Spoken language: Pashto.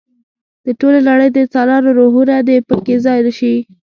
د ټولې نړۍ د انسانانو روحونه دې په کې ځای شي.